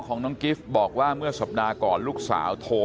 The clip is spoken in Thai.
ตรของหอพักที่อยู่ในเหตุการณ์เมื่อวานนี้ตอนค่ำบอกให้ช่วยเรียกตำรวจให้หน่อย